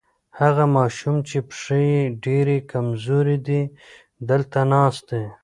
هغه ماشوم چې پښې یې ډېرې کمزورې دي دلته ناست دی.